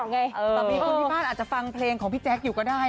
แต่มีคนที่บ้านอาจจะฟังเพลงของพี่แจ๊คอยู่ก็ได้